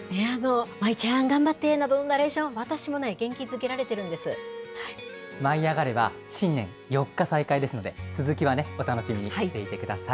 舞ちゃん、頑張ってなどのナレーション、私も元気づけられて舞いあがれ！は、新年４日再開ですので、続きはね、お楽しみにしていてください。